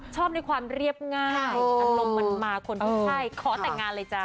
ชอบในความเรียบง่ายอารมณ์มันมาคนที่ใช่ขอแต่งงานเลยจ้า